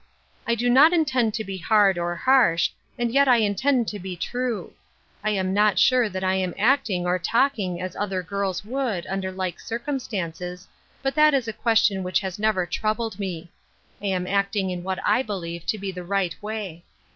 I do not intend to be hard or harsh, and yet I intend to be true. I am not sure that I am act ing or talking as other girls would, under like circumstances ; but that is a question which has never troubled me. I am acting in what I be lieve to be the right way.